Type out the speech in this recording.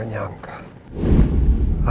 anak yang begitu aku sayang